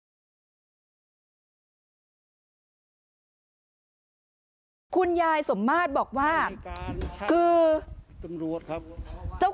สองสามีภรรยาคู่นี้มีอาชีพ